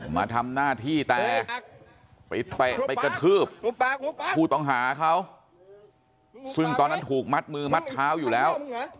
มาทำหน้าที่แต่ไปเตะไปกระทืบผู้ต้องหาเขาซึ่งตอนนั้นถูกมัดมือมัดเท้าอยู่แล้ว